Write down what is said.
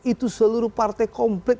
itu seluruh partai komplek